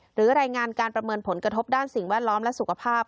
หรือรายงานการประเมินผลกระทบด้านสิ่งแวดล้อมและสุขภาพ